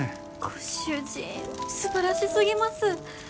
ご主人素晴らし過ぎます！